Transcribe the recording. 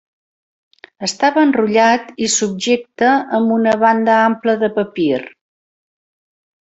Estava enrotllat i subjecte amb una banda ampla de papir.